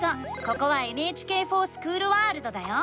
ここは「ＮＨＫｆｏｒＳｃｈｏｏｌワールド」だよ！